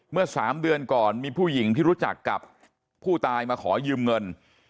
เมื่อ๓เดือนก่อนมีผู้หญิงที่รู้จักกับผู้ตายมาขอยืมเงิน